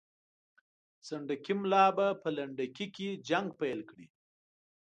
سنډکي ملا به په لنډکي کې جنګ پیل کړي.